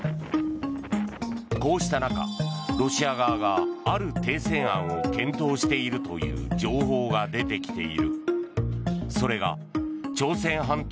こうした中、ロシア側がある停戦案を検討しているという情報が出てきている。